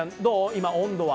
今温度は。